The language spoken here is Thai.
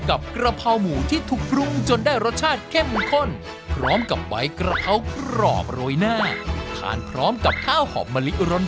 อ่ะที่รักเรามาเดินกันคนละจาน